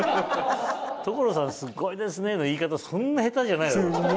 所さん「すごいですね」の言い方そんな下手じゃないだろ。